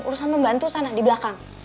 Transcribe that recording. urusan membantu sana di belakang